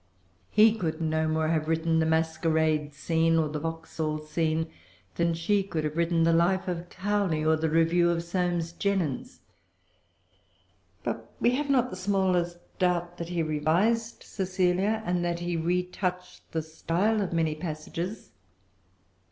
He could no more have written the Masquerade scene, or the Vauxhall scene, than she could have written the Life of Cowley or the Review of Soame Jenyns. But we have not the smallest doubt that he revised Cecilia, and that he retouched the style of many passages.